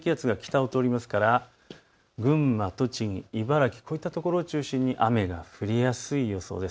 低気圧が北を通りますから群馬、栃木、茨城、こういったところを中心に雨が降りやすい予想です。